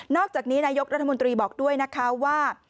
อกจากนี้นายกรัฐมนตรีบอกด้วยนะคะว่า